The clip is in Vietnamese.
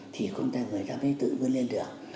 thì không thể người ta mới tự vươn lên được